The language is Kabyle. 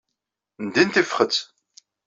Ndin tifxet.